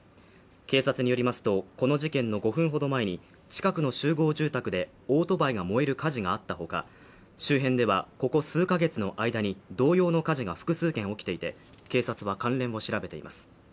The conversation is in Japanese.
警察によりますとこの事件の５分ほど前に近くの集合住宅でオートバイが燃える火事があったほか周辺ではここ数カ月の間に同様の火事が複数件起きていて警察は関連も調べています